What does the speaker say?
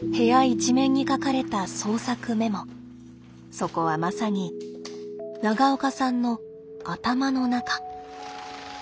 そこはまさに長岡さんの頭の中。